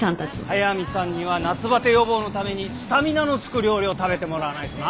速見さんには夏バテ予防のためにスタミナの付く料理を食べてもらわないとな！